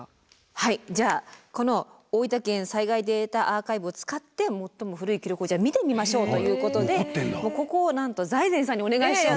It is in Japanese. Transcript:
はいじゃあこの大分県災害データアーカイブを使って最も古い記録を見てみましょうということでここをなんと財前さんにお願いしようと。